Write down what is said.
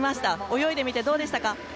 泳いでみてどうでしたか？